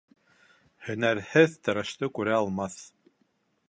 Һөнәрһеҙ тырышты күрә алмаҫ